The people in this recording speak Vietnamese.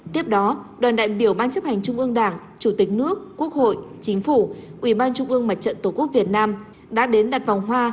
tiếp đó đoàn đại biểu ban chấp hành trung ương đảng chủ tịch nước quốc hội chính phủ ubnd tổ quốc việt nam đã đến đặt vòng hoa